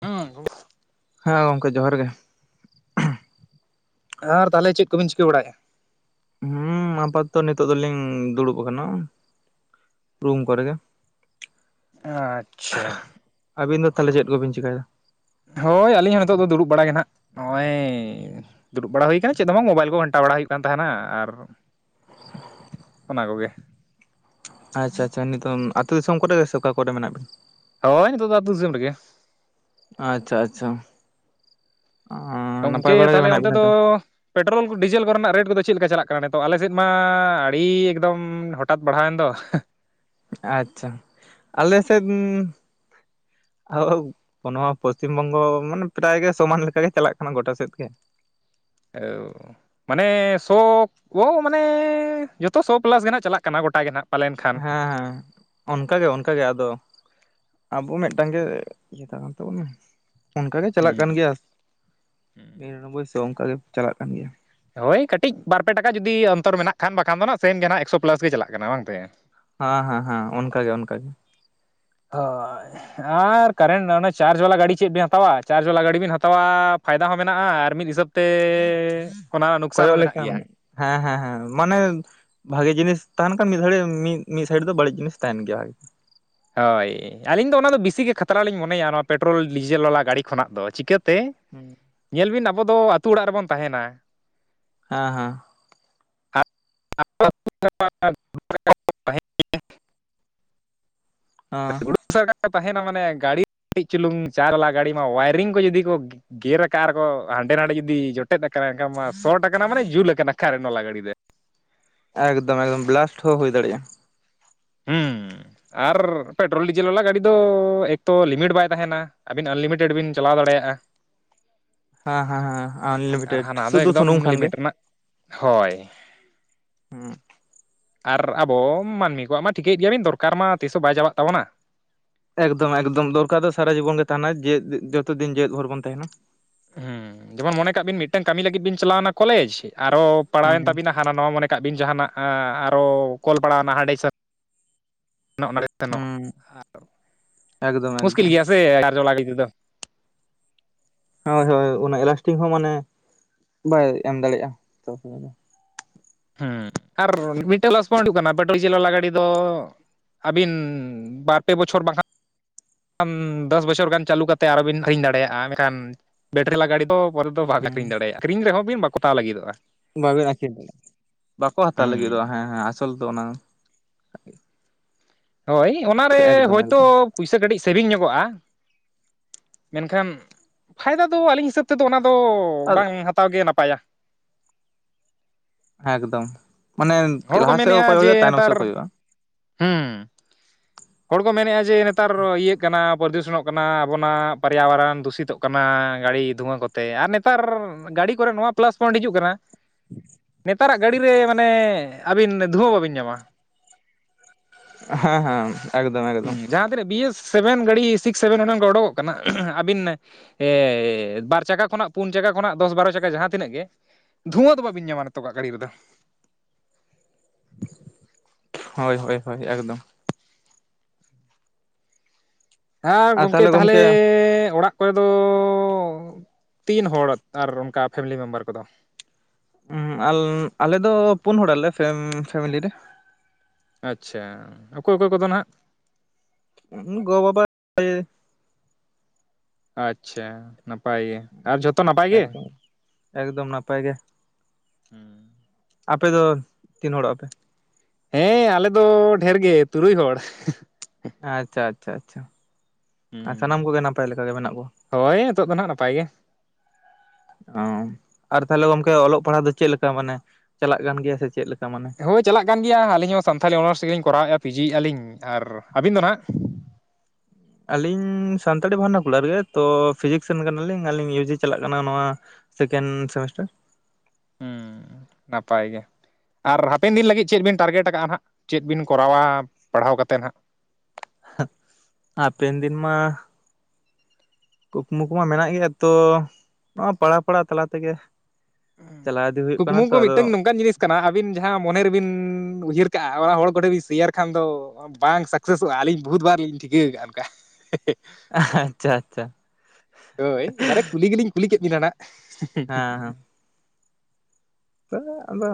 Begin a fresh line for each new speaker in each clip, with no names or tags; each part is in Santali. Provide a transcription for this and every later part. ᱦᱩᱸ
ᱦᱮᱸ ᱜᱚᱝᱠᱮ ᱡᱚᱦᱟᱨ ᱜᱮ
ᱟᱨ ᱛᱟᱦᱚᱞᱮ ᱪᱮᱫ ᱠᱚᱵᱤᱱ ᱪᱤᱠᱟᱹ ᱵᱟᱲᱟᱭᱮᱫᱟ᱾
ᱦᱩ ᱟᱯᱟᱚᱛᱚ ᱱᱤᱛᱚᱜ ᱫᱚᱞᱤᱧ ᱫᱩᱲᱩᱵ ᱟᱠᱟᱱᱟ ᱨᱩᱢ ᱠᱚᱨᱮ ᱜᱮ᱾
ᱟᱪᱪᱷᱟ᱾
ᱟᱹᱵᱤᱱ ᱫᱚ ᱛᱟᱦᱚᱞᱮ ᱪᱮᱫ ᱠᱚᱵᱤᱱ ᱪᱮᱠᱟᱭᱟ?
ᱦᱳᱭ ᱟᱹᱞᱤᱧ ᱦᱚᱸ ᱱᱤᱛᱚᱜ ᱫᱚ ᱫᱩᱲᱩᱵ ᱵᱟᱲᱟᱜ ᱜᱮ ᱱᱟᱦᱟᱜ ᱱᱚᱜᱼᱚᱭ ᱫᱩᱲᱩᱵ ᱵᱟᱲᱟ ᱦᱩᱭ ᱠᱟᱱᱟ ᱪᱮᱫ ᱦᱚᱸ ᱵᱟᱝ ᱢᱚᱵᱟᱭᱤᱞ ᱠᱚ ᱜᱷᱟᱱᱴᱟ ᱵᱟᱲᱟ ᱦᱩᱭᱩᱜ ᱠᱟᱱ ᱛᱟᱦᱮᱱᱟ, ᱟᱨ ᱚᱱᱟ ᱠᱚᱜᱮ᱾
ᱟᱪᱪᱷᱟ ᱟᱪᱪᱷᱟ, ᱱᱤᱛᱚᱝ ᱟᱹᱛᱩ ᱫᱤᱥᱚᱢ ᱠᱚᱨᱮ ᱜᱮ ᱥᱮ ᱚᱠᱟ ᱠᱚᱨᱮ ᱢᱮᱱᱟᱜ ᱵᱤᱱ?
ᱦᱚᱭ, ᱱᱤᱛᱚᱜ ᱫᱚ ᱫᱤᱥᱚᱢ ᱨᱮᱜᱮ᱾
ᱟᱪᱪᱷᱟ ᱟᱪᱪᱷᱟ ᱟᱪᱪᱷᱟ
ᱜᱚᱝᱠᱮ
ᱵᱟᱲᱟ ᱜᱮ
ᱛᱟᱦᱚᱞᱮ
ᱢᱮᱱᱟᱜ
ᱚᱱᱛᱮ
ᱵᱤᱱᱟ
ᱫᱚ
ᱛᱚ
ᱯᱮᱴᱨᱳᱞᱼᱠᱚ ᱰᱤᱡᱮᱞ ᱠᱚᱨᱮ ᱱᱟᱜ ᱨᱮᱴ ᱠᱚᱫᱚ ᱪᱮᱫ ᱞᱮᱠᱟ ᱪᱟᱞᱟᱜ ᱠᱟᱱᱟ? ᱱᱤᱛᱚᱜ ᱟᱞᱮ ᱥᱮᱫ ᱢᱟ ᱟᱹᱰᱤ ᱮᱠᱫᱚᱢ ᱦᱚᱴᱟᱛ ᱵᱟᱲᱦᱟᱣᱮᱱ ᱫᱚ᱾
ᱟᱪᱪᱷᱟ, ᱟᱞᱮ ᱥᱮᱫ ᱟᱣᱼᱦᱩ ᱯᱚᱥᱪᱤᱢ ᱵᱚᱝᱜᱚ ᱢᱟᱱᱮ ᱯᱨᱟᱭᱜ ᱜᱮ ᱥᱚᱢᱟᱱ ᱞᱮᱠᱟᱜᱮ ᱪᱟᱞᱟᱜ ᱠᱟᱱᱟ ᱜᱚᱴᱟ ᱥᱮᱫ ᱜᱮ᱾
[unintelligible] ᱢᱟᱱᱮ ᱥᱚ ᱠᱚ ᱢᱟᱱᱮ ᱡᱚᱛᱚ ᱥᱚ ᱯᱮᱞᱟᱥ ᱜᱮ ᱱᱟᱦᱜ ᱪᱟᱞᱟᱜ ᱠᱟᱱᱟ ᱜᱚᱴᱟ ᱜᱮ ᱱᱟᱦᱜ᱾
ᱦᱮᱸ ᱦᱮᱸ ᱚᱱᱠᱟᱜᱮ ᱚᱱᱠᱟᱜᱮ ᱟᱫᱚ ᱟᱵᱚ ᱢᱤᱫᱴᱟᱝ ᱜᱮ ᱤᱭᱟᱹ ᱠᱟᱱ ᱛᱟᱵᱚᱱᱟ᱾ ᱚᱱᱠᱟ ᱜᱮ ᱪᱟᱞᱟᱜ
ᱦᱩᱸ
ᱠᱟᱱ ᱜᱮᱭᱟ
ᱦᱩᱸ
ᱱᱤᱨᱟᱱᱵᱚᱵᱭ ᱥᱳ ᱚᱱᱠᱟ ᱜᱮ ᱪᱟᱞᱟᱜ ᱠᱟᱱ ᱜᱮᱭᱟ᱾
ᱦᱳᱭ ᱠᱟᱹᱴᱤᱡ ᱵᱟᱨᱯᱮ ᱴᱟᱠᱟ ᱡᱩᱫᱤ ᱚᱱᱛᱚᱨ ᱢᱮᱱᱟᱜ ᱠᱷᱟᱱ, ᱵᱟᱠᱷᱟᱱ ᱫᱚ ᱱᱟᱦᱜ ᱥᱮᱢ ᱜᱮ ᱱᱟᱦᱜ ᱮᱠᱥᱚ ᱯᱮᱞᱟᱥ ᱜᱮ ᱪᱟᱞᱟᱜ ᱠᱟᱱᱟ ᱵᱟᱝᱛᱮ?
ᱦᱟᱸ ᱦᱟᱸ ᱦᱟᱸ ᱚᱱᱠᱟ ᱜᱮ ᱚᱱᱠᱟ ᱜᱮ᱾
ᱦᱳᱭ ᱟᱨ ᱠᱟᱨᱮᱱ ᱚᱱᱟ ᱪᱟᱨᱡ ᱵᱟᱞᱟ ᱜᱟᱹᱰᱤ ᱪᱮᱫ ᱵᱮᱱ ᱦᱟᱛᱟᱣᱟ ᱪᱟᱨᱡ ᱵᱟᱞᱟ ᱜᱟᱹᱰᱤ ᱵᱮᱱ ᱦᱟᱛᱟᱣᱟᱻ ᱯᱷᱟᱭᱫᱟ ᱦᱚᱸ ᱢᱮᱱᱟᱜᱼᱟ ᱟᱨ ᱢᱤᱫ ᱦᱤᱥᱟᱹᱵ ᱛᱮ ᱚᱱᱟ ᱱᱩᱠᱥᱟᱱ ᱦᱚᱸ
ᱠᱚᱭᱚᱜ
ᱢᱮᱱᱟᱜ
ᱞᱮᱠᱷᱟᱱ
ᱜᱮᱭᱟ
ᱦᱮᱸ ᱦᱮᱸ ᱦᱮᱸ ᱢᱟᱱᱮ ᱵᱷᱟᱜᱮ ᱡᱤᱱᱤᱥ ᱛᱟᱦᱮᱱ ᱠᱦᱟᱱ ᱢᱤᱫ ᱢᱤᱜ ᱫᱷᱟᱹᱲᱤᱡ ᱢᱤᱫ ᱥᱟᱭᱤᱰ ᱫᱚ ᱵᱟᱹᱲᱤᱡ ᱡᱤᱱᱤᱥ ᱛᱟᱦᱮᱱ ᱜᱮᱭᱟ᱾
ᱦᱳᱭ ᱟᱹᱞᱤᱧ ᱫᱚ ᱚᱱᱟᱫᱚ ᱵᱤᱥᱤ ᱜᱮ ᱠᱷᱟᱛᱨᱟ ᱞᱤᱧ ᱢᱚᱱᱮᱭᱟ ᱱᱚᱣᱟ ᱯᱮᱴᱨᱳᱞ ᱰᱤᱡᱮᱞ ᱣᱟᱞᱟ ᱜᱟᱹᱰᱤ ᱠᱷᱚᱱᱟᱜ ᱫᱚ, ᱪᱤᱠᱟᱹᱛᱮ
ᱦᱩᱸ,
ᱧᱮᱞ ᱵᱤᱱ ᱟᱵᱚ ᱫᱚ ᱟᱹᱛᱩ ᱚᱲᱟᱜ ᱨᱮᱵᱚ ᱫᱚ ᱛᱟᱦᱮᱱᱟ᱾
ᱦᱟᱸ ᱦᱟᱸ,
[unintelligible]
[unintelligible]
ᱩᱲᱩᱜ ᱥᱟᱜᱟᱲ ᱛᱟᱦᱮᱱᱟ ᱢᱟᱱᱮ ᱜᱟᱹᱰᱤ ᱠᱟᱴᱤᱡ ᱪᱩᱞᱩᱝ ᱪᱟᱨ ᱣᱟᱞᱟ ᱜᱟᱹᱰᱤ ᱢᱟ ᱣᱟᱭᱨᱤᱝ ᱠᱚ ᱡᱩᱫᱤ ᱠᱚ ᱜᱮᱨ ᱟᱠᱟᱜᱼᱟ ᱟᱨᱠᱚ ᱦᱟᱸᱰᱮ ᱱᱟᱰᱮ ᱡᱩᱫᱤ ᱡᱚᱴᱮᱫ ᱟᱠᱟᱱᱟ ᱮᱱᱠᱷᱟᱱ ᱢᱟ ᱥᱚᱴᱼᱟᱠᱟᱱᱟ ᱢᱟᱱᱮ ᱡᱩᱞ ᱟᱠᱟᱱᱟ ᱠᱟᱨᱮᱱ ᱣᱟᱞᱟ ᱜᱟᱲᱤ ᱨᱮ,
ᱮᱠᱫᱚᱢ ᱮᱠᱫᱚᱢ ᱵᱮᱞᱟᱥᱴᱷ ᱦᱚᱸ ᱦᱩᱭ ᱫᱟᱲᱮᱭᱟᱜᱼᱟ᱾
ᱦᱩᱸ
[unintelligible]
ᱟᱨ ᱯᱮᱴᱨᱳᱞ ᱰᱤᱡᱮᱞ ᱣᱟᱞᱟ ᱜᱟᱹᱰᱤ ᱫᱚ ᱮᱠᱛᱚ ᱞᱤᱢᱤᱴ ᱵᱟᱭ ᱛᱟᱦᱮᱱᱟ᱾ ᱟᱹᱵᱤᱱ ᱟᱱᱞᱤᱢᱤᱴᱮᱰ ᱵᱤᱱ ᱪᱟᱞᱟᱣ ᱫᱟᱲᱮᱭᱟᱜᱼᱟ᱾
ᱦᱟᱸ ᱦᱟᱸ ᱦᱟᱸ
ᱟᱨ
ᱟᱱᱞᱤᱢᱤᱴᱮᱰ
ᱦᱟᱱᱟ ᱫᱚ
ᱥᱩᱫᱩ ᱥᱩᱱᱩᱢ
ᱮᱠᱫᱚᱢ
ᱠᱷᱟᱱ ᱜᱮ,
ᱞᱤᱢᱤᱴ ᱨᱮᱱᱟᱜ ᱦᱳᱭ᱾
[unintelligible]
ᱟᱨ ᱟᱵᱚ ᱢᱟᱹᱱᱢᱤ ᱠᱚᱣᱟᱜ ᱢᱟ ᱴᱷᱤᱠᱟᱹᱭᱮᱜ ᱜᱮᱭᱟᱵᱤᱱ ᱫᱚᱨᱠᱟᱨ ᱢᱟ ᱛᱤᱥ ᱦᱚᱸ ᱵᱟᱭ ᱪᱟᱵᱟᱜ ᱛᱟᱵᱚᱱᱟ᱾
ᱮᱠᱫᱚᱢ ᱮᱠᱫᱚᱢ ᱫᱚᱨᱠᱟᱨ ᱫᱚ ᱥᱟᱨᱟ ᱡᱤᱵᱚᱱ ᱜᱮ ᱛᱟᱦᱮᱱᱟ ᱡᱮ ᱡᱚᱛᱚ ᱫᱤᱱ ᱡᱮᱣᱮᱫ ᱵᱷᱚᱨ ᱵᱚᱱ ᱛᱟᱦᱮᱱᱟ ᱾
ᱦᱩᱸ ᱡᱮᱢᱚᱱ ᱢᱚᱱᱮ ᱠᱟᱜ ᱵᱤᱱ ᱢᱤᱫᱴᱟᱝ ᱠᱟᱹᱢᱤ ᱞᱟᱹᱜᱤᱫ ᱵᱤᱱ ᱪᱟᱞᱟᱣᱮᱱᱟ ᱠᱚᱞᱮᱡᱽ, ᱟᱨᱦᱚ
ᱦᱩᱸ
ᱯᱟᱲᱟᱣᱮᱱ ᱛᱟᱵᱤᱱᱟ ᱟᱨ ᱱᱚᱣᱟ ᱢᱚᱱᱮ ᱠᱟᱜ ᱵᱤᱱ ᱡᱟᱦᱟᱱᱟᱜ ᱟᱨᱚ ᱠᱚᱞ ᱯᱟᱲᱟᱣᱮᱱᱟ ᱦᱟᱸᱰᱮ ᱥᱮ ᱱᱚᱜᱱᱚᱲᱮ, ᱥᱮᱱᱚᱜ
ᱦᱩᱸ
ᱟᱨ
ᱮᱠᱫᱚᱢ
ᱢᱩᱥᱠᱤᱞ
ᱮᱠᱫᱚᱢ
ᱜᱮᱭᱟ ᱥᱮ ᱟᱨᱡᱚᱞᱟ ᱤᱫᱤ ᱫᱚ᱾
ᱦᱳᱭ ᱦᱳᱭ ᱩᱱᱟᱹ ᱞᱟᱥᱴᱤᱸᱜ ᱦᱚᱸ ᱢᱟᱱᱮ ᱵᱟᱭ ᱮᱢ ᱫᱟᱲᱮᱭᱟᱜᱼᱟ᱾
ᱦᱩᱸ ᱟᱨ ᱢᱤᱫᱴᱥᱝ ᱯᱮᱞᱟᱥᱯᱳᱭᱱᱴ ᱦᱩᱭᱩᱜ ᱠᱟᱱᱟ ᱰᱤᱡᱮᱞ ᱣᱟᱞᱟ ᱜᱟᱹᱰᱤ ᱫᱚ ᱟᱹᱵᱤᱱ ᱵᱟᱨ ᱯᱮ ᱵᱚᱪᱷᱚᱨ ᱵᱟᱝ ᱠᱷᱟᱱ ᱫᱚᱥ ᱵᱚᱪᱷᱚᱨ ᱜᱟᱱ ᱪᱟᱹᱞᱩ ᱠᱟᱛᱮᱫ ᱟᱨᱚ ᱵᱤᱱ ᱟᱹᱠᱷᱨᱤᱧ ᱫᱟᱲᱮᱭᱟᱜᱼᱟ ᱢᱮᱱᱠᱷᱟᱱ ᱵᱮᱴᱨᱤ ᱣᱟᱞᱟ ᱜᱟᱹᱰᱤ ᱫᱚ ᱯᱚᱨᱮ ᱫᱚ ᱵᱟᱢ ᱵᱮᱱ
ᱦᱮᱸ
ᱟᱠᱷᱨᱤᱧ ᱫᱟᱲᱮᱭᱟᱜᱼᱟ ᱟᱹᱨᱤᱧ ᱨᱮᱦᱚᱸ ᱵᱤᱱ ᱵᱟᱠᱚ ᱦᱟᱛᱟᱣ ᱞᱟᱹᱜᱤᱫᱚᱜᱼᱟ᱾
ᱵᱟᱹᱵᱤᱱ ᱟᱹᱷᱨᱤᱧ ᱫᱟᱲᱮᱼᱟ, ᱵᱟᱠᱚ ᱦᱟᱛᱟᱣ ᱞᱟᱹᱜᱤᱫᱚᱜᱼᱟ,
ᱦᱩᱸ
ᱦᱮᱸ ᱦᱮᱸ ᱟᱥᱚᱞ ᱫᱚ ᱚᱱᱟᱸ
ᱦᱳᱭ ᱚᱱᱟᱨᱮ
ᱮᱠᱫᱚᱢ ᱮᱠᱫᱚᱢ
ᱦᱳᱭᱛᱳ ᱯᱩᱭᱥᱟᱹ ᱠᱟᱹᱴᱤᱡ ᱥᱮᱵᱤᱝ ᱧᱚᱜᱚᱜᱼᱟ᱾ ᱢᱮᱱᱠᱷᱟᱱ ᱯᱷᱟᱭᱫᱟ ᱫᱚ ᱟᱹᱞᱤᱧ ᱦᱤᱥᱟᱹᱵ ᱛᱮᱫᱚ ᱚᱱᱟ ᱫᱚ
ᱟᱨ
ᱵᱟᱝ ᱦᱟᱛᱟᱣ ᱜᱮ ᱱᱟᱯᱟᱭᱟ᱾
ᱮᱠᱫᱚᱢ ᱢᱟᱱᱮ
ᱦᱚᱲ ᱠᱚ
ᱞᱟᱦᱟ ᱥᱮᱜ ᱦᱚ
ᱢᱮᱱᱮᱫᱼᱟ
ᱠᱚᱭ
ᱡᱮ
ᱦᱩᱭᱩᱜᱼᱟ, ᱛᱟᱭᱱᱚᱢ ᱥᱮ
ᱱᱮᱛᱟᱨ
ᱠᱚᱭᱚᱜᱼᱟ᱾
ᱦᱩᱸ᱾ ᱦᱚᱲ ᱠᱚ ᱢᱮᱱᱮᱫᱼᱟ ᱡᱮ ᱱᱮᱛᱟᱨ ᱤᱭᱟᱹᱜ ᱠᱟᱱᱟ ᱯᱚᱨᱫᱩᱥᱚᱱᱚᱜ ᱠᱟᱱᱟ ᱟᱵᱚᱱᱟᱜ ᱯᱚᱨᱭᱟᱵᱚᱨᱚᱱ ᱫᱩᱥᱤᱛᱚᱜ ᱠᱟᱱᱟ ᱜᱟᱹᱲᱤ ᱫᱷᱩᱣᱟᱹ ᱠᱚᱛᱮ, ᱟᱨ ᱱᱮᱛᱟᱨ ᱜᱟᱹᱰᱤ ᱠᱚᱨᱮ ᱱᱚᱣᱟ ᱯᱞᱟᱥ ᱯᱚᱭᱮᱱᱴ ᱦᱤᱡᱩᱜ ᱠᱟᱱᱟ ᱱᱮᱛᱟᱨᱟᱜ ᱜᱟᱹᱰᱤᱨᱮ ᱢᱟᱱᱮ ᱟᱹᱵᱤᱱ ᱫᱷᱩᱣᱟᱹ ᱵᱟᱹᱵᱤᱱ ᱧᱟᱢᱟ᱾
ᱦᱮᱸ ᱦᱮᱸ᱾ ᱮᱠᱫᱚᱢ ᱮᱠᱫᱚᱢ
ᱦᱩᱸ ᱡᱟᱦᱟᱸ ᱛᱤᱱᱟᱹᱜ ᱵᱤ ᱮᱥ ᱥᱮᱵᱷᱮᱱ ᱜᱟᱹᱰᱤ ᱥᱤᱠᱥ ᱥᱮᱵᱷᱮᱱ ᱚᱱᱮ ᱚᱱᱠᱟ ᱚᱰᱩᱠᱚᱜ ᱠᱟᱱᱟ, ᱟᱹᱵᱤᱱ ᱮ ᱵᱟᱨ ᱪᱟᱠᱟ ᱠᱷᱚᱱᱟᱜ ᱯᱩᱱ ᱪᱟᱠᱟ ᱠᱷᱚᱱᱟᱜ ᱫᱚᱥ ᱵᱟᱨᱚ ᱪᱟᱠᱟ ᱡᱟᱦᱟᱸ ᱛᱤᱱᱟᱹᱜ ᱜᱮ ᱫᱷᱩᱣᱟᱹ ᱫᱚ ᱵᱟᱵᱤᱱ ᱧᱟᱢᱟ ᱱᱤᱛᱚᱜᱟᱜ ᱜᱟᱹᱲᱤ ᱨᱮᱫᱚ᱾
ᱦᱳᱭ ᱦᱳᱭ ᱦᱳᱭ ᱮᱠᱫᱚᱢ᱾
ᱦᱮᱸ
ᱟᱨ
ᱜᱚᱝᱠᱮ ᱛᱟᱦᱚᱞᱮ
ᱜᱚᱢᱠᱮ
ᱚᱲᱟᱜ ᱚᱠᱚᱭ ᱫᱚ ᱛᱤᱱ ᱦᱚᱲ ᱟᱨ ᱚᱱᱠᱟ ᱯᱷᱮᱢᱮᱞᱤ ᱢᱮᱢᱵᱟᱨ ᱠᱚᱫᱚ?
ᱦᱩᱸ ᱟᱞ ᱟᱞᱮ ᱫᱚ ᱯᱩᱱ ᱦᱚᱲᱟᱞᱮ ᱯᱷᱮᱢ ᱯᱷᱮᱢᱮᱞᱤ ᱨᱮ᱾
ᱟᱪᱪᱷᱟ ᱚᱠᱚᱭ ᱚᱠᱚᱭ ᱠᱚᱫᱚ ᱱᱟᱦᱟᱸᱜ?
ᱜᱚ ᱵᱟᱵᱟ [unintelligible]
ᱟᱪᱪᱷᱟ ᱱᱟᱯᱟᱭ ᱜᱮ, ᱟᱨ ᱡᱚᱛᱚ ᱱᱟᱯᱟᱭ ᱜᱮ?
ᱮᱠᱫᱚᱢ ᱮᱠᱫᱚᱢ ᱱᱟᱯᱟᱭ ᱜᱮ᱾
ᱦᱩᱸ᱾
ᱟᱯᱮ ᱫᱚ ᱛᱤᱱ ᱦᱚᱲᱚᱜ ᱟᱯᱮ?
ᱦᱮᱸ ᱟᱞᱮ ᱫᱚ ᱰᱷᱮᱨ ᱜᱮ ᱛᱩᱨᱩᱭ ᱦᱚᱲ᱾
ᱟᱪᱪᱷᱟ ᱟᱪᱪᱷᱟ ᱟᱪᱪᱷᱟ ᱥᱟᱱᱟᱢ
ᱦᱩᱸ
ᱠᱚᱜᱮ ᱱᱟᱯᱟᱭ ᱞᱮᱠᱟ ᱜᱮ ᱢᱮᱱᱟᱜ ᱠᱚᱣᱟ?
ᱦᱳᱭ ᱱᱤᱛᱚᱜ ᱫᱚ ᱱᱟᱦᱟᱸᱜ ᱱᱟᱯᱟᱭ ᱜᱮ᱾
ᱚ ᱟᱨ ᱛᱟᱦᱚᱞᱮ ᱜᱚᱝᱠᱮ ᱚᱞᱚᱜ ᱯᱟᱲᱦᱟᱜ ᱫᱚ ᱪᱮᱫ ᱞᱮᱠᱟ ᱢᱟᱱᱮ ᱪᱟᱞᱟᱜ ᱠᱟᱱ ᱜᱮᱭᱟ ᱥᱮ ᱪᱮᱫ ᱞᱮᱠᱟ ᱢᱟᱱᱮ?
ᱦᱳᱭ ᱪᱟᱞᱟᱜ ᱠᱟᱱ ᱜᱮᱭᱟ ᱟᱹᱞᱤᱧ ᱦᱚᱸ ᱥᱟᱱᱛᱷᱟᱞᱤ ᱚᱱᱟᱨᱥ ᱜᱮᱞᱤᱧ ᱠᱚᱨᱟᱣᱮᱫᱼᱟ ᱯᱤ ᱡᱤ ᱭᱟᱜᱼᱟᱹᱞᱤᱧ ᱟᱨ ᱟᱹᱵᱤᱱ ᱫᱚ ᱱᱟᱦᱟᱸᱜ?
ᱟᱹᱞᱤᱧ ᱥᱟᱱᱛᱟᱲᱤ ᱵᱷᱟᱨᱱᱟ ᱠᱩᱞᱟᱨ ᱜᱮ ᱛᱚ ᱯᱷᱤᱡᱤᱠᱥ ᱨᱮᱱ ᱠᱟᱱᱟᱞᱤᱧ ᱟᱹᱞᱤᱧ ᱭᱩ ᱡᱤ ᱪᱟᱞᱟᱜ ᱠᱟᱱᱟ ᱱᱚᱣᱟ ᱥᱮᱠᱮᱱᱰ ᱥᱮᱢᱤᱥᱴᱟᱨ,
ᱦᱩᱸ ᱱᱟᱯᱟᱭ ᱜᱮ᱾ ᱟᱨ ᱦᱟᱯᱮᱱ ᱫᱤᱱ ᱞᱟᱹᱜᱤᱫ ᱪᱮᱫ ᱵᱤᱱ ᱴᱟᱨᱜᱮᱴ ᱠᱟᱜᱼᱟ ᱦᱟᱸᱜ, ᱪᱮᱫ ᱵᱤᱱ ᱠᱚᱨᱟᱣᱟ ᱯᱟᱲᱦᱟᱣ ᱠᱟᱛᱮᱫ ᱦᱟᱸᱜ?
ᱦᱟᱯᱮᱱ ᱫᱤᱱ ᱢᱟ ᱠᱩᱠᱢᱩ ᱠᱚᱢᱟ ᱢᱮᱱᱟᱜ ᱜᱮᱭᱟ ᱛᱚ ᱱᱚᱣᱟ ᱯᱟᱲᱦᱟ ᱯᱟᱲᱦᱟ ᱛᱟᱞᱟ ᱛᱮᱜᱮ ᱪᱟᱞᱟᱣ ᱤᱫᱤ ᱦᱩᱭᱩᱜ ᱠᱟᱱᱟ
ᱠᱩᱠᱢᱩ
ᱛᱚ,
ᱠᱚ
ᱟᱫᱚ
ᱢᱤᱫᱴᱟᱝ ᱱᱚᱝᱠᱟᱱ ᱡᱤᱱᱤᱥ ᱠᱟᱱᱟ ᱟᱹᱵᱤᱱ ᱡᱟᱦᱟᱸ ᱢᱚᱱᱮ ᱨᱮᱵᱤᱱ ᱩᱭᱦᱟᱹᱨ ᱠᱟᱜᱼᱟ ᱚᱱᱟ ᱦᱚᱲ ᱠᱚᱴᱷᱮᱱ ᱵᱤᱱ ᱥᱮᱭᱟᱨ ᱠᱷᱟᱱ ᱫᱚ ᱵᱟᱝ ᱥᱟᱠᱥᱮᱥᱚᱜᱼᱟ ᱟᱹᱞᱤᱧ ᱵᱚᱦᱩᱛ ᱵᱟᱨ ᱞᱤᱧ ᱴᱷᱤᱠᱟᱹ ᱠᱟᱜᱼᱟ ᱚᱱᱠᱟ,
ᱟᱦᱟ ᱟᱪᱪᱷᱟ ᱟᱪᱪᱷᱟ᱾
ᱦᱳᱭ ᱮᱵᱟᱨᱮ ᱠᱩᱞᱤ ᱜᱮᱞᱤᱧ ᱠᱩᱞᱤ ᱠᱮᱫ ᱵᱤᱱᱟ ᱱᱟᱸᱜ,
ᱦᱮᱸ ᱦᱮᱸ ᱛᱚ ᱟᱫᱚ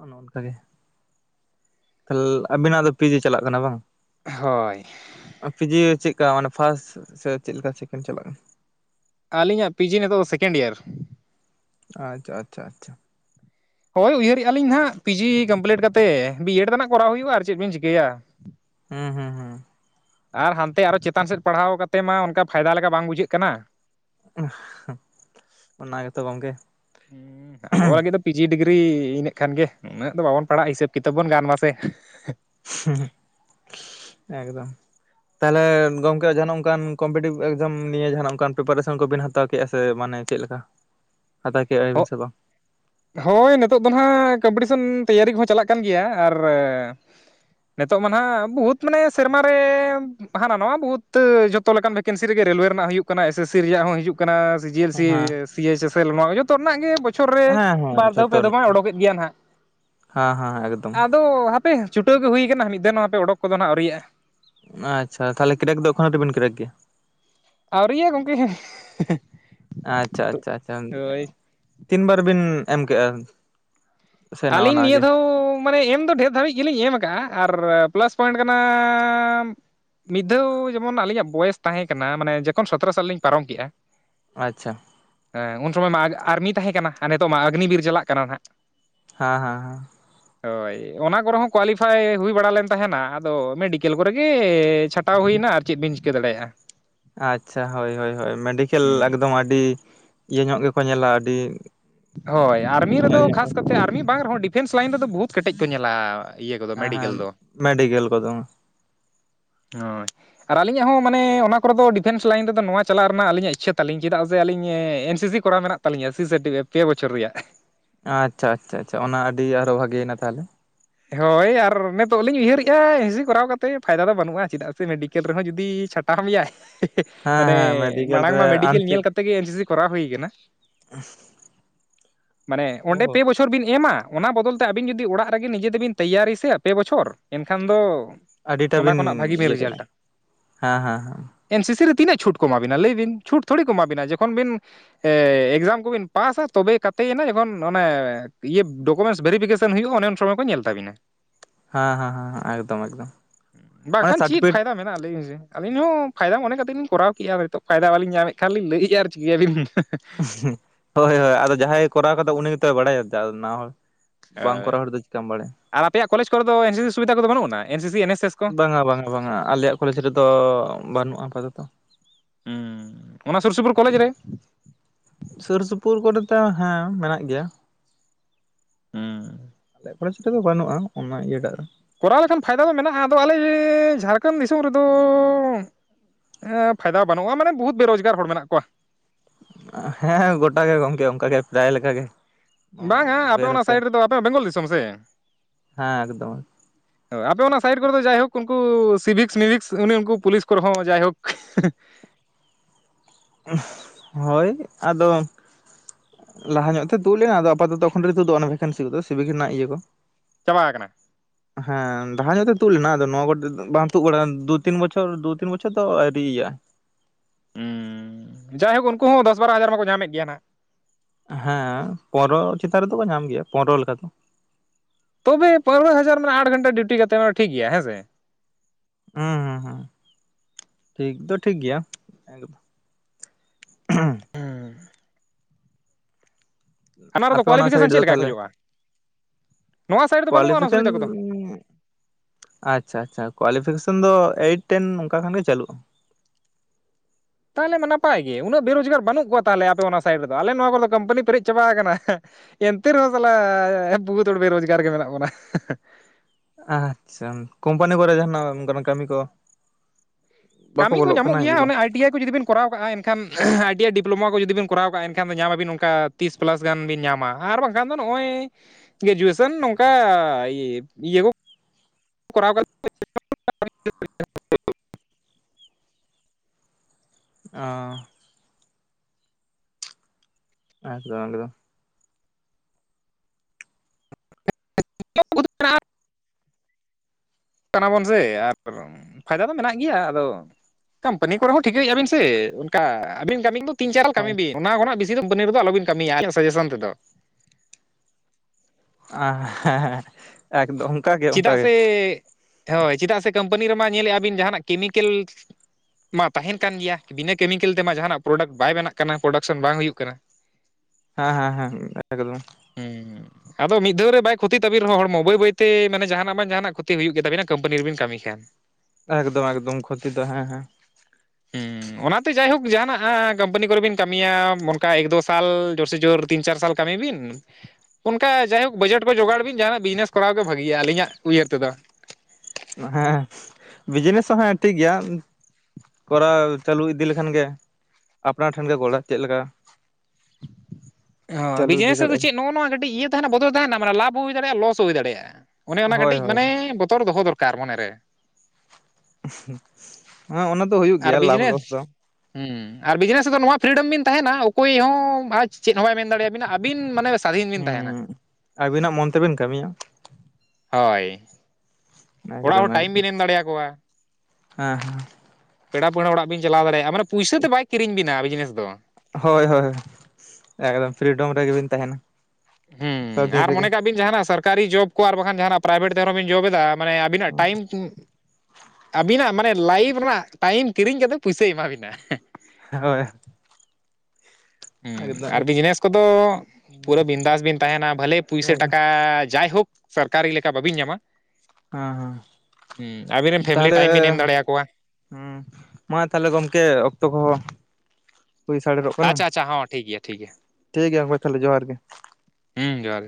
ᱚᱱᱮ ᱚᱱᱠᱟᱜᱮ᱾ ᱛᱟᱞ ᱟᱵᱤᱱᱟᱜ ᱫᱚ ᱯᱤᱡᱤ ᱪᱟᱞᱟᱜ ᱠᱟᱱᱟ ᱵᱟᱝ?
ᱦᱚᱭ᱾
ᱯᱤᱡᱤ ᱪᱮᱜᱠᱟ ᱚᱱᱮ ᱯᱷᱟᱥ ᱥᱮ ᱪᱮᱫ ᱞᱮᱠᱟ ᱥᱮᱠᱮᱱᱰ ᱪᱟᱞᱟᱜ ᱠᱟᱱᱟ?
ᱟᱹᱞᱤᱧᱟᱜ ᱯᱤᱡᱤ ᱱᱤᱛᱚᱜ ᱫᱚ ᱥᱮᱠᱮᱱᱰ ᱤᱭᱟᱨ᱾
ᱟᱪᱪᱷᱟ ᱟᱪᱪᱷᱟ ᱟᱪᱪᱷᱟ᱾
ᱦᱳᱭ ᱩᱭᱦᱟᱹᱨᱮᱜᱼᱟᱞᱤᱧ ᱱᱟᱦᱟᱸᱜ ᱯᱤᱡᱤ ᱠᱚᱢᱯᱞᱤᱴ ᱠᱟᱛᱮ ᱵᱤ ᱮᱰ ᱛᱟᱱᱟᱜ ᱠᱚᱨᱟᱣ ᱦᱩᱭᱩᱜᱼᱟ ᱟᱨ ᱪᱮᱫ ᱵᱤᱱ ᱪᱤᱠᱟᱹᱭᱟ᱾
ᱦᱮᱸ ᱦᱩᱸ ᱦᱩᱸ᱾
ᱟᱨ ᱦᱟᱱᱛᱮ ᱟᱨᱚ ᱪᱮᱛᱟᱱ ᱥᱮᱫ ᱯᱟᱲᱦᱟᱣ ᱠᱟᱛᱮᱜ ᱢᱟ ᱚᱱᱠᱟ ᱯᱷᱟᱭᱫᱟ ᱞᱮᱠᱟ ᱵᱟᱝ ᱵᱩᱡᱷᱟᱹᱜ ᱠᱟᱱᱟ᱾
ᱚᱱᱟ ᱜᱮᱛᱚ ᱜᱚᱢᱠᱮ᱾
ᱦᱩᱸ᱾ ᱟᱵᱚ ᱞᱟᱹᱜᱤᱫ ᱫᱚ ᱯᱤᱡᱤ ᱰᱤᱜᱽᱨᱤ ᱤᱱᱟᱹᱜ ᱠᱷᱟᱱᱜᱮ ᱩᱱᱟᱹᱜ ᱫᱚ ᱵᱟᱵᱚᱱ ᱯᱟᱲᱦᱟᱜᱼᱟ ᱦᱤᱥᱟᱹᱵᱽ ᱠᱤᱛᱟᱹᱵᱽ ᱵᱚᱱ ᱜᱟᱱ ᱢᱟᱥᱮ᱾
ᱮᱠᱫᱚᱢ᱾ ᱛᱟᱦᱚᱞᱮ ᱜᱚᱢᱠᱮ ᱡᱟᱸᱦᱟᱱᱟᱜ ᱚᱱᱠᱟᱱ ᱠᱚᱢᱯᱤᱴᱤᱵᱽ ᱮᱠᱡᱟᱢ ᱱᱤᱭᱮ ᱡᱟᱸᱦᱟᱱᱟᱜ ᱚᱱᱠᱟᱱ ᱯᱨᱤᱯᱟᱨᱮᱥᱚᱱ ᱠᱚᱵᱤᱱ ᱦᱟ ᱦᱟᱛᱟᱣ ᱠᱮᱜᱼᱟ ᱥᱮ ᱢᱟᱱᱮ ᱪᱮᱫ ᱞᱮᱠᱟ ᱦᱟᱛᱟᱣ ᱠᱮᱜᱼᱟᱭ ᱵᱮᱱ ᱥᱮ ᱵᱟᱝ?
ᱦᱳᱭ ᱱᱤᱛᱚᱜ ᱫᱚ ᱦᱟᱸᱜ ᱠᱚᱢᱯᱤᱴᱤᱥᱚᱱ ᱛᱮᱭᱟᱨᱤ ᱠᱚᱦᱚᱸ ᱪᱟᱞᱟᱜ ᱠᱟᱱ ᱜᱮᱭᱟ ᱟᱨ ᱱᱤᱛᱚᱜ ᱢᱟ ᱱᱟᱦᱟᱸᱜ ᱵᱚᱦᱩᱛ ᱢᱟᱱᱮ ᱥᱮᱨᱢᱟ ᱨᱮ ᱦᱟᱱᱟ ᱱᱚᱣᱟ ᱵᱚᱦᱩᱛ ᱛᱚ ᱡᱷᱚᱛᱚ ᱞᱮᱠᱟᱱ ᱵᱷᱮᱠᱮᱱᱥᱤ ᱨᱮᱜᱮ ᱨᱮᱞᱮᱣᱮ ᱨᱮᱱᱟᱜ ᱦᱩᱭᱩᱜ ᱠᱟᱱᱟ ᱮᱥ ᱮᱥ ᱥᱤ ᱨᱮᱭᱟᱜ ᱦᱚᱸ ᱦᱩᱭᱩᱜ ᱦᱩᱭᱩᱜ ᱠᱟᱱᱟ ᱥᱤ ᱡᱤ ᱮᱞ ᱥᱤ
ᱦᱮᱸ
ᱥᱤ ᱮᱭᱤᱪ ᱮᱥ ᱮᱞ ᱡᱚᱛᱚ ᱨᱮᱱᱟᱜ ᱜᱮ ᱵᱚᱪᱷᱚᱨ ᱨᱮᱼᱼ
ᱦᱮᱸ ᱦᱮᱸ ᱦᱮᱸ
ᱵᱟᱨ ᱫᱷᱟᱣ
ᱡᱷᱚᱛᱚ
ᱯᱮ ᱫᱷᱟᱣ ᱫᱚᱢ ᱚᱰᱚᱠᱮᱫ ᱜᱮᱭᱟ ᱱᱟᱦᱟᱸᱜ
ᱦᱮᱸ ᱦᱮᱸ ᱮᱠᱫᱚᱢ
ᱟᱫᱚᱼᱼ ᱦᱟᱯᱮ ᱪᱩᱴᱟᱹᱣ ᱜᱮ ᱦᱩᱭ ᱠᱟᱱᱟ ᱢᱤᱫᱷᱟᱣ ᱦᱚᱸ ᱦᱟᱯᱮ ᱚᱰᱳᱠ ᱠᱚᱫᱚ ᱱᱟᱸᱜ ᱟᱹᱣᱨᱤᱭᱟᱜᱼᱟ᱾
ᱟᱪᱪᱷᱟ ᱛᱟᱦᱚᱞᱮ ᱠᱮᱨᱮᱠ ᱫᱚ ᱮᱠᱷᱚᱱᱳ ᱟᱣᱨᱤ ᱵᱤᱱ ᱠᱮᱨᱮᱠ ᱜᱮᱭᱟ᱾
ᱟᱹᱣᱨᱤᱭᱟ ᱜᱚᱢᱠᱮ᱾
ᱟᱪᱪᱷᱟ ᱟᱪᱪᱷᱟ ᱟᱪᱪᱷᱟ
ᱦᱳᱭ
ᱛᱤᱱ ᱵᱟᱨ ᱵᱤᱱ ᱮᱢ ᱠᱮᱜᱼᱟ? ᱥᱮ ᱱᱟᱣᱟ
ᱟᱹᱞᱤᱧ
ᱱᱟᱣᱟ
ᱱᱤᱭᱟᱹ
ᱜᱮ
ᱫᱷᱟᱹᱣ ᱢᱟᱱᱮ ᱮᱢ ᱫᱚ ᱰᱷᱮᱨ ᱫᱷᱟᱹᱵᱤᱡ ᱜᱮᱞᱤᱧ ᱮᱢ ᱠᱟᱜᱼᱟ ᱟᱨ ᱯᱞᱟᱥ ᱯᱚᱸᱭᱮᱱᱴ ᱠᱟᱱᱟ ᱢᱤᱫ ᱫᱷᱟᱹᱣ ᱡᱮᱢᱚᱱ ᱟᱹᱞᱤᱧᱼᱟᱜ ᱵᱚᱭᱮᱥ ᱛᱟᱦᱮᱸ ᱠᱟᱱᱟ ᱢᱟᱱᱮ ᱡᱚᱠᱷᱚᱱ ᱥᱚᱛᱨᱚ ᱥᱟᱞ ᱞᱤᱧ ᱯᱟᱨᱚᱢ ᱠᱮᱜᱼᱟ᱾
ᱟᱪᱪᱷᱟ᱾
ᱦᱮᱸ ᱩᱱ ᱥᱚᱢᱚᱭ ᱢᱟ ᱟᱨᱢᱤ ᱛᱟᱦᱮᱸ ᱠᱟᱱᱟ ᱟᱨ ᱱᱤᱛᱚᱜ ᱢᱟ ᱟᱜᱱᱤ ᱵᱤᱨ ᱪᱟᱞᱟᱜ ᱠᱟᱱᱟ ᱱᱟᱦᱟᱸᱜ ᱾
ᱦᱟᱸ ᱦᱟᱸ ᱦᱟᱸ᱾
ᱦᱳᱭ ᱚᱱᱟ ᱠᱚᱨᱮ ᱦᱚᱸ ᱠᱳᱣᱟᱞᱤᱯᱷᱟᱭ ᱦᱩᱭ ᱵᱟᱲᱟ ᱞᱮᱱ ᱛᱟᱦᱮᱸᱱᱟ ᱟᱫᱚ ᱢᱮᱰᱤᱠᱮᱞ ᱠᱚᱨᱮ ᱜᱮᱼᱼ ᱪᱷᱟᱴᱟᱣ ᱦᱩᱭᱱᱟ ᱟᱨ ᱪᱮᱫ ᱵᱤᱱ ᱪᱤᱠᱟᱹ ᱫᱟᱲᱮᱭᱟᱜᱼᱟ᱾
ᱟᱪᱪᱷᱟ, ᱦᱳᱭ ᱦᱳᱭ ᱦᱳᱭ ᱢᱮᱰᱤᱠᱮᱞ
ᱦᱩᱸ
ᱮᱠᱫᱚᱢ ᱟᱹᱰᱤ ᱤᱭᱟᱹ ᱧᱚᱜ ᱜᱮᱠᱚ ᱧᱮᱞᱟ ᱟᱹᱰᱤᱼᱼ
ᱦᱳᱭ ᱟᱨᱢᱤ ᱨᱮᱫᱚ ᱠᱷᱟᱥ ᱠᱟᱛᱮ ᱟᱨᱢᱤ ᱵᱟᱝ ᱨᱮᱦᱚᱸ ᱰᱤᱯᱷᱮᱱᱥ ᱞᱟᱭᱤᱱ ᱨᱮᱫᱚ ᱵᱚᱦᱩᱛ ᱠᱮᱴᱮᱡ ᱠᱚ ᱧᱮᱞᱟ᱾ ᱤᱭᱟᱹ ᱠᱚᱫᱚ
ᱦᱮᱸ ᱦᱮᱸ
ᱢᱮᱰᱤᱠᱮᱞ ᱫᱚ
ᱢᱮᱰᱤᱠᱮᱞ ᱠᱚᱫᱚ᱾
ᱦᱳᱭ᱾ ᱟᱨ ᱟᱹᱞᱤᱧᱟᱜ ᱦᱚᱸ ᱢᱟᱱᱮ ᱚᱱᱟ ᱠᱚᱨᱮ ᱫᱚ ᱰᱤᱯᱷᱮᱱᱥ ᱞᱟᱭᱤᱱ ᱛᱮᱫᱚ ᱱᱚᱣᱟ ᱪᱟᱞᱟᱜ ᱨᱮᱱᱟᱜ ᱟᱹᱞᱤᱧᱼᱟᱜ ᱤᱪᱪᱷᱟᱹ ᱛᱟᱹᱞᱤᱧ ᱪᱮᱫᱟᱜ ᱥᱮ ᱟᱹᱞᱤᱧ ᱮᱱ ᱥᱤ ᱥᱤ ᱠᱚᱨᱟᱣ ᱢᱮᱱᱟᱜᱼᱼ ᱛᱟᱞᱤᱧᱟ ᱥᱤ ᱥᱟᱨᱴᱤᱯᱷᱤᱠᱮᱴ ᱯᱮ ᱵᱚᱪᱷᱚᱨ ᱨᱮᱭᱟᱜ᱾
ᱟᱪᱪᱷᱟ ᱟᱪᱪᱷᱟ ᱟᱪᱪᱷᱟ ᱚᱱᱟ ᱟᱹᱰᱤ ᱟᱨᱦᱚᱸ ᱵᱷᱟᱜᱮ ᱮᱱᱟ ᱛᱟᱦᱚᱞᱮ᱾
ᱦᱳᱭ ᱟᱨ ᱱᱤᱛᱚᱜ ᱞᱤᱧ ᱩᱭᱦᱟᱹᱨᱮᱜᱼᱟ ᱮᱱ ᱥᱤ ᱥᱤ ᱠᱚᱨᱟᱣ ᱠᱟᱛᱮ ᱯᱷᱟᱭᱫᱟ ᱫᱚ ᱵᱟᱹᱱᱩᱜᱼᱟ, ᱪᱮᱫᱟᱜ ᱥᱮ ᱢᱮᱰᱤᱠᱮᱞ ᱨᱮᱦᱚᱸ ᱡᱩᱫᱤ ᱪᱷᱟᱼᱼ ᱴᱟᱣ ᱢᱮᱭᱟᱭ
ᱦᱮᱸ
ᱢᱟᱱᱮ
ᱦᱮᱸ ᱢᱮᱰᱤᱠᱮᱞ
ᱢᱟᱲᱟᱝ ᱢᱟ
ᱨᱮ
ᱢᱮᱰᱤᱠᱮᱞ
ᱟᱱᱯᱷᱤᱴ
ᱧᱮᱞ ᱠᱟᱛᱮ ᱜᱮ ᱮᱱ ᱥᱤ ᱥᱤ ᱠᱚᱨᱟᱣ ᱦᱩᱭ ᱠᱟᱱᱟ᱾
[unintelligible]
ᱢᱟᱱᱮ ᱚᱸᱰᱮ
ᱚ
ᱯᱮ ᱵᱚᱪᱷᱚᱨ ᱵᱤᱱ ᱮᱢᱟ ᱚᱱᱟ ᱵᱚᱫᱚᱞ ᱛᱮ ᱟᱹᱵᱤᱱ ᱡᱩᱫᱤ ᱚᱲᱟᱜ ᱨᱮᱜᱮ ᱱᱤᱡᱮᱼᱼ ᱵᱤᱱ ᱛᱮᱭᱟᱨᱤ ᱥᱮ ᱯᱮ ᱵᱚᱪᱷᱚᱨ ᱮᱱᱠᱷᱟᱱ ᱫᱚᱼᱼ
ᱟᱹᱰᱤᱴᱟ ᱵᱤᱱ ᱤᱭᱟᱹ ᱫᱟᱲᱮᱭᱟᱜᱼᱟ, ᱦᱮᱸ ᱦᱮᱸ ᱦᱮᱸ᱾
ᱮᱱ ᱥᱤ ᱥᱤ ᱛᱮ ᱛᱤᱱᱟᱹᱜ ᱪᱷᱩᱴ ᱠᱚ ᱮᱢᱟᱵᱤᱱᱟ ᱞᱟᱹᱭ ᱵᱤᱱ, ᱪᱷᱩᱴ ᱛᱷᱚᱲᱤ ᱠᱚ ᱮᱢᱟᱵᱤᱱᱟ ᱡᱚᱠᱷᱚᱱ ᱵᱤᱱᱼᱼ ᱮᱠᱡᱟᱢ ᱠᱚᱵᱤᱱ ᱯᱟᱥᱟ ᱛᱚᱵᱮ ᱠᱟᱛᱮᱜ ᱮᱱᱟ ᱡᱚᱠᱷᱚᱱ ᱚᱱᱮᱼᱼ ᱤᱭᱟᱹ ᱰᱚᱠᱩᱢᱮᱱᱴᱥ ᱵᱷᱮᱨᱤᱯᱷᱤᱠᱮᱥᱮᱱ ᱦᱩᱭᱩᱜᱼᱟ, ᱚᱱᱮ ᱩᱱ ᱥᱚᱢᱚᱭ ᱠᱚ ᱧᱮᱞ ᱛᱟᱵᱤᱱᱟ᱾
ᱦᱮᱸ ᱦᱮᱸ ᱦᱮᱸ ᱮᱠᱫᱚᱢ ᱮᱠᱫᱚᱢ ᱢᱟᱱᱮ ᱥᱟᱴᱯᱤᱴᱼᱼ
ᱚᱱᱟ ᱞᱟᱹᱭ ᱢᱮᱥᱮᱼᱼ ᱟᱹᱞᱤᱧ ᱦᱚᱸ ᱯᱷᱟᱭᱫᱟ ᱢᱚᱱᱮ ᱠᱟᱛᱮ ᱞᱤᱧ ᱠᱚᱨᱟᱣ ᱠᱮᱜᱼᱟ ᱱᱤᱛᱚᱜ ᱯᱷᱟᱭᱫᱟ ᱵᱟᱹᱞᱤᱧ ᱧᱟᱢᱮᱫ ᱠᱷᱟᱱ ᱞᱤᱧ ᱞᱟᱹᱭᱮᱜᱼᱟ ᱟᱨ ᱪᱤᱠᱟᱹᱭᱟᱵᱤᱱ᱾
ᱦᱳᱭ ᱦᱳᱭ ᱟᱫᱚ ᱡᱟᱦᱟᱸᱭ ᱠᱚᱨᱟᱣ ᱠᱟᱫᱟ ᱩᱱᱤ ᱜᱮᱛᱚᱭ ᱵᱟᱲᱟᱭᱟ, ᱱᱟᱣᱟ ᱦᱚᱲᱼᱼ
ᱦᱳᱭ ᱟᱨ ᱟᱯᱮᱭᱟᱜ ᱠᱚᱞᱮᱡᱽ ᱠᱚᱨᱮ ᱫᱚ ᱮᱱ ᱥᱤ ᱥᱤ ᱥᱩᱵᱤᱫᱷᱟ ᱠᱚᱫᱚ ᱵᱟᱹᱱᱩᱜ ᱟᱱᱟ N C C N S S? ᱠᱚ
ᱵᱟᱝᱟ ᱵᱟᱝᱟ ᱵᱟᱝᱟ ᱟᱞᱮᱭᱟᱜ ᱠᱚᱞᱮᱡᱽ ᱨᱮᱫᱚ ᱵᱟᱹᱱᱩᱜᱼᱟ, ᱟᱯᱟᱛᱚᱛᱚ᱾
ᱦᱩᱸ ᱚᱱᱟ ᱥᱩᱨ ᱥᱩᱯᱩᱨ ᱠᱚᱞᱮᱡᱽ ᱨᱮ?
ᱥᱩᱨ ᱥᱩᱯᱩᱨ ᱠᱚᱫᱚ ᱛᱚ ᱦᱮᱸ ᱢᱮᱱᱟᱜ ᱜᱮᱭᱟ᱾
ᱦᱩᱸ
ᱠᱚᱞᱮᱡᱽ ᱨᱮ ᱫᱚ ᱵᱟᱹᱱᱩᱜᱼᱟ, ᱚᱱᱟ ᱤᱭᱟᱹᱴᱟᱜ ᱫᱚ᱾
ᱠᱚᱨᱟᱣ ᱞᱮᱠᱷᱟᱱ ᱯᱷᱟᱭᱫᱟ ᱫᱚ ᱢᱮᱱᱟᱜᱼᱟ, ᱟᱫᱚ ᱟᱞᱮ ᱡᱷᱟᱲᱠᱷᱚᱸᱰ ᱫᱤᱥᱚᱢ ᱨᱮᱫᱚᱼᱼ ᱦᱮᱸ ᱯᱷᱟᱭᱫᱟ ᱵᱟᱹᱱᱩᱜᱼᱟ, ᱢᱟᱱᱮ ᱵᱚᱦᱩᱫ ᱵᱮᱨᱚᱡᱜᱟᱨ ᱦᱚᱲ ᱢᱮᱱᱟᱜ ᱠᱚᱣᱟ᱾
ᱦᱮᱸ ᱜᱚᱴᱟ ᱜᱮ ᱜᱚᱝᱠᱮ ᱚᱝᱠᱟ ᱜᱮ ᱯᱨᱟᱭ ᱞᱮᱠᱟᱜ ᱜᱮ᱾ ᱱᱚᱣᱟ
ᱵᱟᱝᱟ ᱟᱯᱮ ᱚᱱᱟ
ᱵᱮᱨᱳᱡᱽᱜᱟᱨ
ᱥᱟᱭᱤᱰ ᱨᱮᱫᱚ ᱟᱯᱮ ᱵᱮᱝᱜᱚᱞ ᱫᱤᱥᱚᱢ ᱥᱮ?
ᱦᱮᱸ ᱮᱠᱫᱚᱢ
ᱦᱳᱭ ᱟᱯᱮ ᱚᱱᱟ ᱥᱟᱭᱤᱰ ᱠᱚᱨᱮ ᱫᱚ ᱡᱟᱭᱦᱳᱠ ᱩᱱᱠᱩ ᱥᱤᱵᱷᱤᱠᱥ ᱢᱤᱵᱷᱤᱠᱥ ᱩᱱᱤ ᱩᱱᱠᱩ ᱯᱩᱞᱤᱥ ᱠᱚᱨᱮ ᱦᱚᱸ ᱡᱟᱭᱦᱳᱠᱼᱼ
ᱦᱳᱭ ᱟᱫᱚᱼᱼ ᱞᱟᱦᱟ ᱧᱚᱸᱜ ᱛᱮ ᱛᱩᱫ ᱞᱮᱱᱟ ᱟᱫᱚ ᱟᱯᱟᱫᱚᱛᱚ ᱮᱚᱠᱷᱚᱱ ᱫᱚ ᱟᱣᱹᱨᱤ ᱛᱩᱫᱩᱜᱼᱟ, ᱚᱱᱟ ᱵᱷᱮᱠᱮᱱᱥᱤ ᱠᱚᱫᱚ ᱥᱤᱵᱤᱠ ᱨᱮᱱᱟᱜ ᱤᱭᱟᱹ ᱠᱚ᱾
ᱪᱟᱵᱟ ᱟᱠᱟᱱᱟ᱾
[unintelligible] ᱦᱮᱸ ᱞᱟᱦᱟ ᱛᱮᱫᱚ ᱛᱩᱫ ᱞᱮᱱᱟ ᱟᱫᱚ ᱱᱚᱣᱟ ᱯᱚᱨᱮ ᱵᱟᱝ ᱛᱩᱫ ᱵᱟᱲᱟ ᱫᱩ ᱛᱤᱱ ᱵᱚᱪᱷᱚᱨ ᱫᱩ ᱛᱤᱱ ᱵᱚᱪᱷᱚᱨ ᱫᱚ ᱟᱣᱹᱨᱤᱭᱟᱜᱼᱟ᱾
ᱦᱩᱸ ᱡᱟᱭᱦᱳᱠ ᱩᱱᱠᱩ ᱦᱚᱸ ᱫᱚᱥ ᱵᱟᱨᱳ ᱦᱟᱡᱟᱨ ᱢᱟᱠᱚ ᱧᱟᱢᱮᱫ ᱜᱮᱭᱟ ᱱᱟᱦᱟᱜ᱾
ᱦᱮᱸ ᱯᱚᱱᱮᱨᱚ ᱪᱮᱛᱟᱱ ᱨᱮᱫᱚ ᱠᱚ ᱧᱟᱢ ᱜᱮᱭᱟ ᱯᱚᱱᱮᱨᱚ ᱞᱮᱠᱟ ᱫᱚ᱾
ᱛᱚᱵᱮ ᱯᱚᱱᱮᱨᱚ ᱦᱟᱡᱟᱨ ᱟᱴ ᱜᱷᱚᱱᱴᱟ ᱰᱤᱣᱩᱴᱤ ᱠᱟᱛᱮᱫ ᱨᱮᱦᱚᱸ ᱴᱷᱤᱠ ᱜᱮᱭᱟ ᱦᱮᱸ ᱥᱮ?
ᱦᱩᱸ ᱦᱸ ᱴᱷᱤᱠ ᱫᱚ ᱴᱷᱤᱠ ᱜᱮᱭᱟ᱾ ᱮᱠᱫᱚᱢ
ᱨᱮᱫᱚ
ᱟᱯᱮ ᱚᱱᱟ ᱥᱟᱭᱤᱰ
ᱠᱳᱣᱟᱞᱤᱯᱷᱤᱠᱮᱥᱚᱱ
ᱫᱚ
ᱪᱮᱫ ᱞᱮᱠᱟᱭ
ᱛᱟᱦᱚᱞᱮ?
ᱠᱷᱚᱡᱚᱜᱼᱟ ᱱᱚᱣᱟ ᱥᱟᱭᱤᱰ ᱨᱮ ᱵᱟᱹᱱᱩᱜᱼᱟ ᱚᱱᱟ
ᱠᱚᱣᱟᱞᱤᱯᱷᱤᱠᱮᱱᱼᱼ
ᱥᱩᱵᱤᱫᱷᱟ ᱠᱚᱫᱚ
ᱟᱪᱪᱷᱟ ᱟᱪᱪᱷᱟ ᱠᱳᱣᱟᱞᱤᱯᱷᱤᱠᱮᱥᱚᱱ ᱫᱚ ᱮᱭᱤᱴ ᱴᱮᱱ ᱚᱱᱠᱟ ᱠᱷᱟᱱ ᱜᱮ ᱪᱟᱹᱞᱩᱜᱼᱟ᱾
ᱛᱟᱦᱚᱞᱮ ᱢᱟ ᱱᱟᱯᱟᱭ ᱜᱮ ᱩᱱᱟᱹᱜ ᱵᱮᱨᱚᱡᱽᱜᱟᱨ ᱵᱟᱹᱱᱩᱜ ᱠᱚᱣᱟ ᱛᱟᱦᱚᱞᱮ ᱟᱯᱮ ᱚᱱᱟ ᱥᱟᱭᱤᱰ ᱨᱮᱫᱚ ᱟᱞᱮ ᱱᱚᱣᱟ ᱠᱚᱫᱚ ᱠᱚᱢᱯᱟᱱᱤ ᱯᱮᱨᱮᱡ ᱪᱟᱵᱟ ᱟᱠᱟᱱᱟ᱾ ᱮᱱᱛᱮ ᱨᱮᱦᱚᱸ ᱥᱟᱞᱟᱜ ᱵᱚᱦᱩᱛ ᱦᱚᱲ ᱵᱮᱨᱚᱡᱽᱜᱟᱨ ᱜᱮ ᱢᱮᱱᱟᱜ ᱵᱚᱱᱟ᱾
ᱟᱪᱪᱷᱟ ᱠᱳᱢᱯᱟᱱᱤ ᱠᱚᱨᱮ ᱡᱟᱦᱟᱱᱟᱜ ᱚᱱᱠᱟᱱᱟᱜ ᱠᱟᱹᱢᱤ ᱠᱚ? ᱵᱟᱠᱚ
ᱠᱟᱹᱢᱤ ᱠᱚ
ᱵᱚᱞᱚᱜ
ᱧᱟᱢᱚᱜ
ᱠᱟᱱᱟ ᱤᱭᱟᱹ
ᱜᱮᱭᱟ
ᱠᱚ
ᱚᱱᱟ ᱟᱭᱴᱤᱭᱟ ᱠᱚ ᱡᱩᱫᱤ ᱵᱤᱱᱼᱼ ᱠᱚᱨᱟᱣ ᱠᱟᱜᱼᱟ ᱮᱱᱠᱷᱟᱱ ᱟᱹᱰᱤᱭᱟ ᱰᱤᱯᱞᱳᱢᱟ ᱠᱚ ᱡᱩᱫᱤ ᱵᱤᱱ ᱠᱚᱨᱟᱣ ᱠᱟᱜ ᱮᱱᱠᱷᱟᱱ ᱧᱟᱢᱟᱵᱤᱱ ᱚᱱᱠᱟ ᱛᱤᱥ ᱯᱮᱞᱟᱥᱼᱼ ᱜᱟᱱ ᱵᱤᱱ ᱧᱟᱢᱟ ᱟᱨ ᱵᱟᱝᱠᱷᱟᱱ ᱫᱚ ᱱᱚᱜᱼᱚᱭ ᱜᱨᱮᱡᱩᱭᱮᱥᱚᱱ ᱱᱚᱝᱠᱟ ᱤᱭᱟᱹ ᱠᱚ [inaudible] ᱠᱚᱨᱟᱣ᱾
ᱚ ᱟᱪ ᱫᱚ ᱚᱸᱰᱮ ᱫᱚ? [unintelligible]
ᱠᱟᱱᱟᱵᱚᱱ ᱥᱮ ᱟᱨ ᱯᱷᱟᱭᱫᱟ ᱫᱚ ᱢᱮᱱᱟᱜ ᱜᱮᱭᱟ ᱟᱫᱚᱼᱼ ᱠᱳᱢᱯᱟᱱᱤ ᱠᱚᱨᱮ ᱦᱚᱸ ᱴᱷᱤᱠᱟᱹᱭᱮᱫᱼᱟ ᱵᱤᱱ ᱥᱮ ᱚᱱᱠᱟ ᱟᱹᱵᱤᱱ ᱠᱟᱹᱢᱤᱱ ᱫᱚᱼᱼ ᱛᱤᱱ ᱪᱟᱨᱞ ᱠᱟᱹᱢᱤ ᱵᱤᱱ ᱚᱱᱟ ᱠᱷᱚᱱᱟᱜ ᱵᱮᱥᱤ ᱫᱚ ᱠᱚᱢᱯᱟᱱᱤ ᱨᱮᱫᱚ ᱟᱞᱚᱵᱤᱱ ᱠᱟᱹᱢᱤᱭᱟ ᱥᱟᱡᱮᱥᱚᱱ ᱛᱮ ᱫᱚ᱾
ᱮᱸ ᱮᱠᱫᱚᱢ᱾ ᱚᱱᱠᱟᱜᱮ
ᱪᱮᱫᱟᱜ
ᱚᱱᱠᱟᱜᱮ
ᱥᱮ ᱦᱳᱭ ᱪᱮᱫᱟᱜ ᱥᱮ ᱠᱳᱢᱯᱟᱱᱤ ᱨᱮᱢᱟ ᱧᱮᱞᱮᱜᱼᱟᱵᱤᱱ ᱡᱟᱦᱟᱱᱟᱜ ᱠᱮᱢᱤᱠᱮᱞᱼᱼ ᱢᱟ ᱛᱟᱦᱮᱱ ᱠᱟᱱ ᱜᱮᱭᱟ ᱵᱤᱱᱟᱹ ᱠᱮᱢᱤᱠᱮᱞ ᱛᱮᱢᱟ ᱡᱟᱦᱟᱱᱟᱜ ᱯᱨᱚᱰᱟᱠᱴ ᱵᱟᱭ ᱵᱮᱱᱟᱜ ᱠᱟᱱᱟ ᱯᱨᱚᱰᱟᱠᱥᱚᱱ ᱵᱟᱝ ᱦᱩᱭᱩᱜ ᱠᱟᱱᱟ᱾
ᱦᱮᱸ ᱦᱮᱸ ᱦᱮᱸ ᱮᱠᱫᱚᱢ
ᱦᱮᱸ ᱟᱫᱚ ᱢᱤᱫ ᱫᱷᱟᱹᱣ ᱨᱮ ᱵᱟᱭ ᱠᱷᱚᱛᱤ ᱛᱟᱹᱵᱤᱱ ᱨᱮᱦᱚᱸ ᱦᱚᱲᱢᱚ ᱵᱟᱹᱭ ᱵᱟᱹᱭ ᱛᱮ ᱢᱟᱱᱮ ᱡᱟᱦᱟᱱᱟᱜ ᱵᱟᱝ ᱡᱟᱦᱟᱱᱟᱜ ᱠᱷᱚᱛᱤ ᱦᱩᱭᱩᱜ ᱜᱮᱛᱟᱵᱮᱱᱟ ᱠᱳᱢᱯᱟᱱᱤ ᱨᱮᱵᱤᱱ ᱠᱟᱹᱢᱤ ᱠᱷᱟᱱ᱾
ᱮᱠᱫᱚᱢ ᱮᱠᱫᱚᱢ ᱠᱷᱚᱛᱤ ᱫᱚ ᱦᱮᱸ ᱦᱮᱸ
ᱚᱱᱟᱛᱮ ᱡᱟᱭᱦᱳᱠ ᱡᱟᱦᱟᱱᱟᱜ ᱠᱳᱢᱯᱟᱱᱤ ᱠᱚᱨᱮ ᱵᱤᱱ ᱠᱟᱹᱢᱤᱭᱟ ᱚᱱᱠᱟ ᱮᱠ ᱫᱳ ᱥᱟᱞ ᱡᱳᱨ ᱥᱮ ᱡᱳᱨ ᱛᱤᱱ ᱪᱟᱨ ᱥᱟᱞᱼᱼ ᱠᱟᱹᱢᱤ ᱵᱤᱱ ᱚᱱᱠᱟ ᱡᱟᱭᱦᱳᱠ ᱵᱟᱡᱮᱴ ᱠᱚ ᱡᱚᱜᱟᱲ ᱵᱤᱱ ᱡᱟᱦᱟᱱᱟᱜ ᱵᱤᱡᱽᱱᱮᱥᱼᱼ ᱠᱚᱲᱟᱣ ᱜᱮ ᱵᱷᱟᱹᱜᱮᱭᱟ ᱟᱹᱞᱤᱧᱟᱜ ᱩᱭᱟᱹᱨ ᱛᱮᱫᱚ᱾
ᱦᱮᱸ ᱵᱤᱡᱽᱱᱮᱥ ᱦᱚᱸ ᱦᱮᱸ ᱴᱷᱤᱠ ᱜᱮᱭᱟ᱾ ᱠᱚᱨᱟᱣ ᱪᱟᱹᱞᱩ ᱤᱫᱤ ᱞᱮᱠᱷᱟᱱ ᱜᱮ ᱟᱯᱱᱟᱨ ᱴᱷᱮᱱ ᱜᱮ ᱜᱚᱲᱟ ᱪᱮᱫ ᱞᱮᱠᱟ [unintelligible]
ᱦᱮᱸ
ᱪᱟᱹᱞᱩ ᱤᱫᱤ
ᱵᱤᱡᱱᱮᱥ ᱨᱮᱫᱚ
ᱫᱟᱲᱮᱭᱟᱜᱼᱟ
ᱪᱮᱫ ᱱᱚᱜᱼᱚ ᱱᱚᱣᱟ ᱠᱟᱹᱴᱤᱡ ᱤᱭᱟᱹ ᱛᱟᱦᱮᱱᱟ ᱵᱚᱫᱚᱞ ᱛᱟᱦᱮᱱᱟ ᱢᱟᱱᱮ ᱞᱟᱵᱷ ᱦᱚᱸ ᱦᱩᱭ ᱫᱟᱲᱮᱭᱟᱜᱼᱟ ᱞᱚᱥ ᱦᱚᱸ ᱦᱩᱭ ᱫᱟᱲᱮᱭᱟᱜᱼᱟ᱾ ᱚᱱᱮ ᱚᱱᱟ
ᱦᱳᱭ
ᱠᱟᱹᱴᱤᱡ
ᱦᱳᱭ
ᱢᱟᱱᱮ ᱵᱚᱛᱚᱨ ᱫᱚᱦᱚ ᱫᱚᱨᱠᱟᱨ ᱢᱚᱱᱮᱨᱮ᱾
ᱦᱮᱸ ᱚᱱᱟ ᱫᱚ ᱦᱩᱭᱩᱜ ᱜᱮᱭᱟ ᱞᱟᱵᱷ ᱞᱚᱥ ᱫᱚ᱾
ᱦᱮᱸ ᱟᱨ ᱵᱤᱡᱽᱱᱮᱥ ᱨᱮᱫᱚ ᱱᱚᱣᱟ ᱯᱷᱨᱤᱰᱚᱢ ᱵᱤᱱ ᱛᱟᱦᱮᱱᱟ ᱚᱠᱚᱭ ᱦᱚᱸ ᱪᱮᱫ ᱦᱚᱸ ᱵᱟᱭ ᱢᱮᱱ ᱫᱟᱲᱮᱭᱟᱵᱤᱱᱟ ᱟᱹᱵᱤᱱ ᱢᱟᱱᱮ ᱥᱟᱫᱷᱤᱱ ᱵᱤᱱ ᱛᱟᱦᱮᱱᱟ
ᱦᱩᱸ ᱟᱹᱵᱤᱱᱟᱜ ᱢᱚᱱ ᱛᱮᱵᱤᱱ ᱠᱟᱹᱢᱤᱭᱟ
ᱦᱳᱭ ᱚᱲᱟᱜ
ᱮᱠᱫᱚᱢ
ᱦᱚᱲ ᱴᱟᱭᱤᱢ
ᱮᱠᱫᱚᱢ
ᱵᱤᱱ
ᱦᱮᱸ
ᱮᱢ ᱫᱟᱲᱮᱭᱟᱠᱚᱣᱟ
ᱦᱮᱸ
ᱯᱮᱲᱟᱯᱟᱹᱲᱦᱟ ᱚᱲᱟᱜ ᱵᱤᱱ ᱪᱟᱞᱟᱣ ᱫᱟᱲᱭᱟᱜᱼᱟ ᱢᱟᱱᱮ ᱯᱚᱭᱥᱟᱹ ᱫᱚ ᱵᱟᱭ ᱠᱤᱨᱤᱧ ᱵᱮᱱᱟᱵᱤᱡᱽᱱᱮᱥ ᱫᱚ᱾
ᱦᱳᱭ ᱦᱳᱭ ᱮᱠᱫᱚᱢ ᱯᱷᱨᱤᱰᱚᱢ ᱨᱮᱜᱮᱵᱤᱱ ᱛᱟᱦᱮᱱᱟ᱾ ᱥᱚᱵ
ᱦᱮᱸ
ᱫᱤᱱ
ᱟᱨ
ᱨᱮᱜᱮ
ᱢᱚᱱᱮ ᱠᱟᱜ ᱵᱤᱱ ᱡᱟᱦᱟᱱᱟᱜ ᱥᱚᱨᱠᱟᱨᱤ ᱡᱚᱵ ᱠᱚ ᱟᱨ ᱵᱟᱠᱷᱟᱱ ᱡᱟᱦᱟᱱᱟᱜ ᱯᱨᱟᱭᱵᱷᱮᱴ ᱛᱮᱦᱚᱸ ᱵᱤᱱ ᱡᱚᱵ ᱮᱫᱟ᱾ ᱢᱟᱱᱮ ᱟᱵᱤᱱᱟᱜ ᱴᱟᱭᱤᱢᱼᱼ ᱟᱵᱤᱱᱟᱜ ᱢᱟᱱᱮ ᱞᱟᱭᱤᱯᱷ ᱨᱮᱱᱟᱜ ᱴᱟᱭᱤᱢ ᱠᱤᱨᱤᱧ ᱠᱟᱛᱮᱫ ᱯᱩᱭᱥᱟᱹᱭ ᱮᱢᱟ ᱵᱤᱱᱟ᱾
ᱦᱳᱭ᱾
ᱦᱮᱸ ᱟᱨ
ᱮᱠᱫᱚᱢ
ᱵᱤᱡᱽᱱᱮᱥ ᱠᱚᱫᱚ ᱯᱩᱨᱟᱹ ᱵᱤᱱᱫᱟᱥ ᱵᱤᱱ ᱛᱟᱦᱮᱱᱟ ᱵᱷᱟᱹᱞᱮ ᱯᱩᱭᱥᱟᱹ
ᱮᱠᱫᱚᱢ
ᱴᱟᱠᱟ ᱡᱟᱭᱦᱳᱠ ᱥᱚᱨᱠᱟᱨᱤ ᱞᱮᱠᱟ ᱵᱟᱹᱵᱤᱱ ᱧᱟᱢᱟ
ᱦᱮᱸ ᱦᱮᱸ
ᱟᱵᱤᱱ ᱨᱮᱱ ᱯᱷᱮᱢᱤᱞᱤ ᱴᱟᱭᱤᱢ ᱵᱮᱱ ᱮᱢ ᱫᱟᱲᱮᱭᱟ ᱠᱚᱣᱟ
ᱦᱮᱸ, ᱢᱟ ᱛᱟᱦᱚᱞᱮ ᱜᱚᱢᱠᱮ ᱚᱠᱛᱚ ᱠᱚᱦᱚᱸ ᱦᱩᱭ ᱥᱟᱲᱮᱨᱚᱜ ᱠᱟᱱᱟ
ᱟᱪᱪᱷᱟ ᱟᱪᱪᱷᱟ ᱦᱚᱸ ᱴᱷᱤᱠ ᱜᱮᱭᱟ ᱴᱷᱤᱠ ᱜᱮᱭᱟ
ᱴᱷᱤᱠ ᱜᱮᱭᱟ ᱜᱚᱝᱠᱮ ᱛᱟᱞᱚᱦᱮ ᱡᱚᱦᱟᱨ ᱜᱮ
ᱦᱩᱸ ᱡᱚᱦᱟᱨ ᱜᱮ